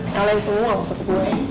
kalian semua maksud gue